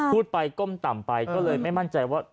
พูดไปก้มต่ำไปก็เลยไม่มั่นใจว่า